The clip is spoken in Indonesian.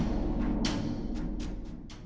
tidak ada yang bisa dikawal